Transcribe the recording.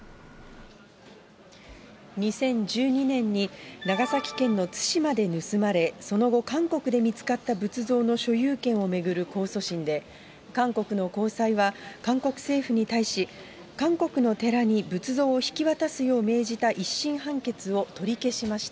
２０１２年に、長崎県の対馬で盗まれ、その後、韓国で見つかった仏像の所有権を巡る控訴審で、韓国の高裁は、韓国政府に対し、韓国の寺に仏像を引き渡すよう命じた１審判決を取り消しました。